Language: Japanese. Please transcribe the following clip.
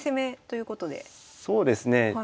そうですね。